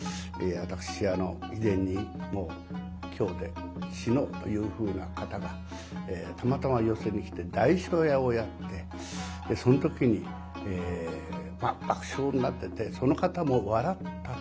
私以前にもう今日で死のうというふうな方がたまたま寄席に来て「代書屋」をやってその時にまあ爆笑になっててその方も笑った。